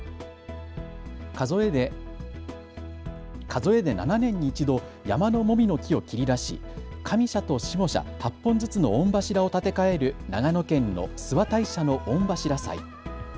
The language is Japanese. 数えで７年に１度、山のもみの木を切り出し上社と下社８本ずつの御柱を建て替える長野県の諏訪大社の御柱祭。